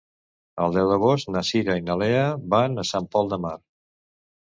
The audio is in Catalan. El deu d'agost na Cira i na Lea van a Sant Pol de Mar.